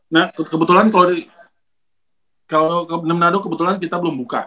nah kebetulan kalau di manado kebetulan kita belum buka